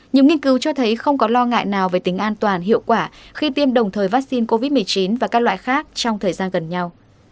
nhiều nghiên cứu cho thấy không có lo ngại nào về tính an toàn hiệu quả khi tiêm đồng thời vaccine covid một mươi chín và các loại khác trong thời gian gần nhau